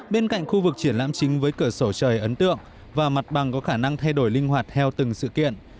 bên cạnh khu vực triển lãm chính với cửa sổ trời ấn tượng và mặt bằng có khả năng thay đổi linh hoạt theo từng sự kiện